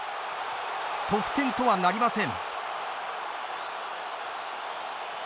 得点とはなりません。